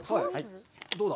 どうだ？